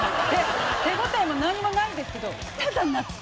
手応えも何もないんですけど。